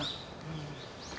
うん。